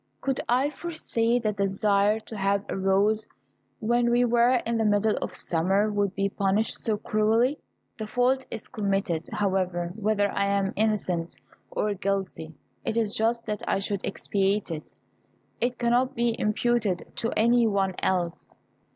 Could I foresee that the desire to have a rose when we were in the middle of summer would be punished so cruelly? The fault is committed, however; whether I am innocent or guilty, it is just that I should expiate it. It cannot be imputed to any one else.